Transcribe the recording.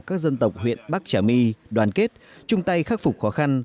các dân tộc huyện bắc trà my đoàn kết chung tay khắc phục khó khăn